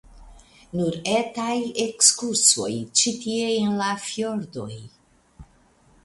Nur etaj ekskursoj ĉi tie en la fjordoj.